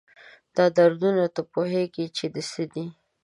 دا دردونه، تۀ پوهېږي چې د څه دي؟